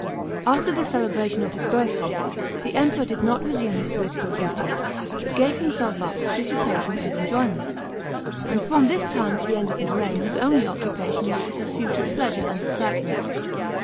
§ 5. After the celebration of his birthday, the Emperor did not resume his political duties, but gave himself up to dissipation and enjoyment, and from this time to the end of his reign his outy occupation was the pursuit of pleasure and excitement.